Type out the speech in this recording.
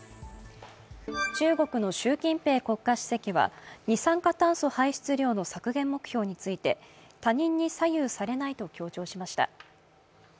中国の習近平国家主席は二酸化炭素排出量の削減目標について他人に左右されないと強調しました。